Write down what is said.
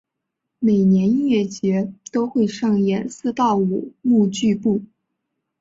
每年音乐节都会上演四到五幕剧目。